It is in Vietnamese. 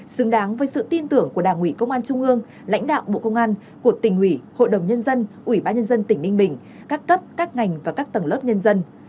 xứng đáng với sự tin tưởng của đảng ủy công an trung ương lãnh đạo bộ công an của tỉnh ủy hội đồng nhân dân ủy ban nhân dân tỉnh ninh bình các cấp các ngành và các tầng lớp nhân dân